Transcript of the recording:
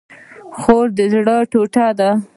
خور د زړه ټوټه ده